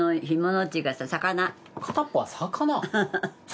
片っぽは魚？